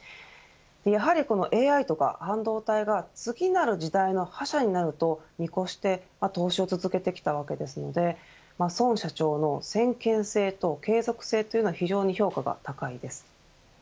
やはりＡＩとか半導体が次なる時代の覇者になると見越して投資を続けてきたわけですので孫社長の先見性と継続性というのは非常に評価が高いです。